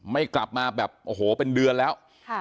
ไม่กลับมาแบบโอ้โหเป็นเดือนแล้ว